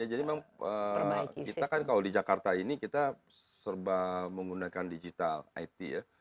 ya jadi memang kita kan kalau di jakarta ini kita serba menggunakan digital it ya